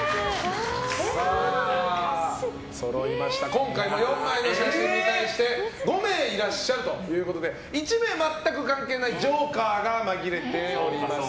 今回も４枚の写真に対して５名いらっしゃるということで１名、全く関係ないジョーカーがまぎれています。